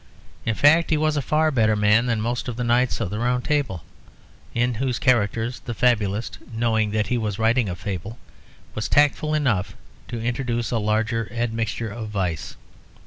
In fact he was a far better man than most of the knights of the Round Table, in whose characters the fabulist, knowing that he was writing a fable, was tactful enough to introduce a larger admixture of vice.